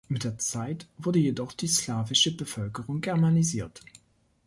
Mit der Zeit wurde jedoch die slawische Bevölkerung germanisiert.